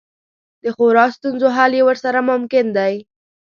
د خورا ستونزو حل یې ورسره ممکن دی.